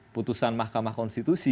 putusan mahkamah konstitusi